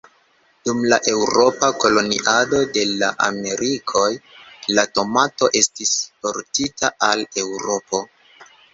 Dum la eŭropa koloniado de la Amerikoj, la tomato estis portita al Eŭropo.